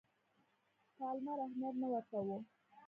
پالمر اهمیت نه ورکاوه.